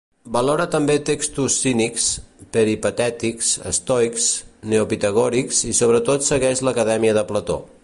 Valora també textos cínics, peripatètics, estoics, neopitagòrics i sobretot segueix l'Acadèmia de Plató.